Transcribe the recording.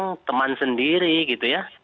pasien yang diberikan kekuatan sendiri gitu ya